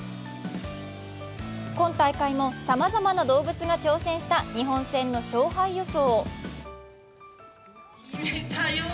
今大会もさまざまな動物が挑戦した日本戦の勝敗予想。